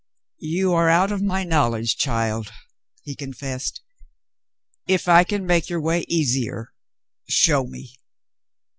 "You are out of my knowledge, child," he confessed. "If I can make your way easier, show me."